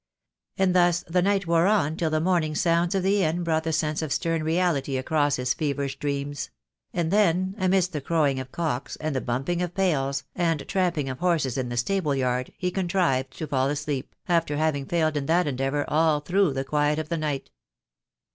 And thus the night wore on till the morning sounds of the inn brought the sense of stern reality across his feverish dreams; and then, amidst the crowing of cocks, and the bumping of pails, and tramping of horses in the stable yard, he contrived to fall asleep, after having failed in that endeavour all through the quiet of the night.